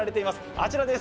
あちらです。